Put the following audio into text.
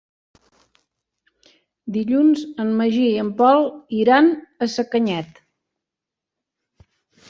Dilluns en Magí i en Pol iran a Sacanyet.